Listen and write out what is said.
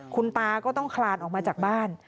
คุณตาก็ต้องคลานออกมาจากบ้าน